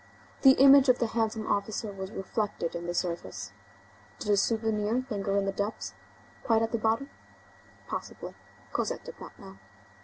The image of the handsome officer was reflected in the surface. Did a souvenir linger in the depths?—Quite at the bottom?—Possibly. Cosette did not know.